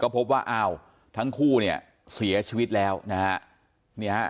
ก็พบว่าเอ้าทั้งคู่เนี่ยเสียชีวิตแล้วนะครับ